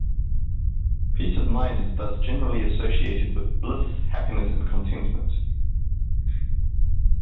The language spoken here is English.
Peace of mind is thus generally associated with bliss, happiness and contentment.